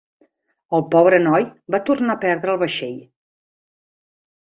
El pobre noi va tornar a perdre el vaixell.